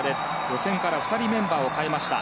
予選から２人メンバーを代えました。